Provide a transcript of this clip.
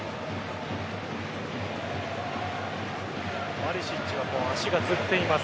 バリシッチが足がつっています。